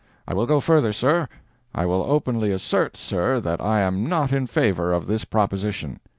I will go further, sir. I will openly assert, sir, that I am not in favor of this proposition.